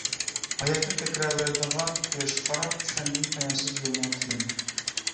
ھاياتنى تەكرارلايدىغان قۇياشقا قاراپ، چۈشەندىم پايانسىز يولنىڭ تىلىنى.